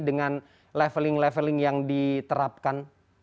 dengan leveling leveling yang diterapkan